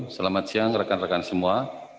selamat siang rekan rekan semua